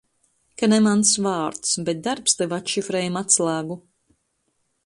Ka ne mans vārds, bet darbs deva atšifrējuma atslēgu.